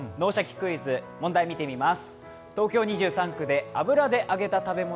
クイズ」、問題見てみます。